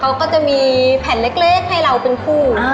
เขาก็จะมีแผ่นเล็กให้เราเป็นผู้